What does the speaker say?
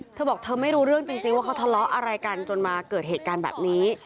เธอบอกเธอไม่รู้เรื่องจริงว่าเขาทะเลาะอะไรกันจนมาเกิดเหตุการณ์แบบนี้